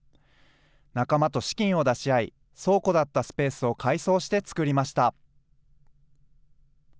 仲間と資金を出し合い、倉庫だったスペースを改装して作りました。